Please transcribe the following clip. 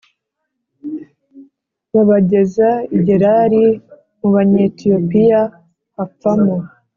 babageza i Gerari mu Banyetiyopiya hapfamo